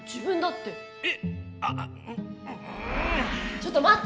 ちょっとまって。